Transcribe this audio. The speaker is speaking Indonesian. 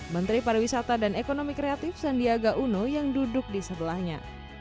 menteri pariwisata dan ekonomi kreatif sandiaga uno yang duduk di sebelahnya